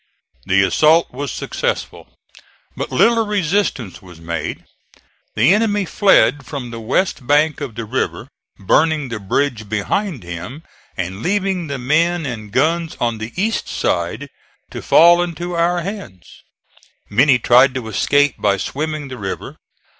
The assault was successful. But little resistance was made. The enemy fled from the west bank of the river, burning the bridge behind him and leaving the men and guns on the east side to fall into our hands. Many tried to escape by swimming the river.